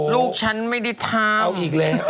ลูกฉันไม่ได้ทำ